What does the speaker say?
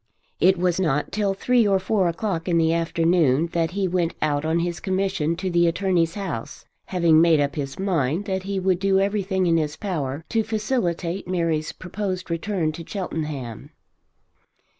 It was not till three or four o'clock in the afternoon that he went out on his commission to the attorney's house, having made up his mind that he would do everything in his power to facilitate Mary's proposed return to Cheltenham.